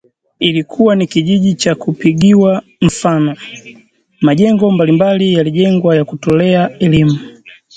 Ilikuwa ni kijiji cha kupigiwa mfano, majengo mbalimbali yalijengwa ya kutolea elimu